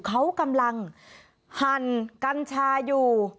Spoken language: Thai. เขากำลังหั่นกัญชาอยู่